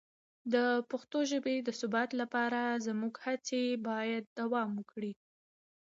د پښتو ژبې د ثبت لپاره زموږ هڅې باید دوام وکړي.